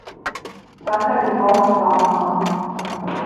Dann der Gebrauchtwarenmarkt.